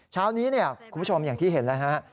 เช้านี้เนี่ยคุณผู้ชมอย่างที่เห็นแล้วฮะ